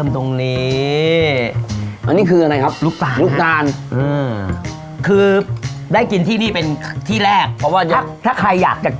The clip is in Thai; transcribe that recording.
ต้องก่อนกะลู๊กครู๊บด้วย